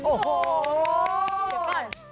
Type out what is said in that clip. โอ้โหเจบตอน